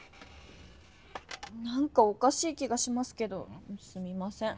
なんかおかしい気がしますけどすみません。